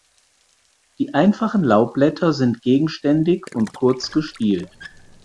Die einfachen Laubblätter sind gegenständig und kurz gestielt.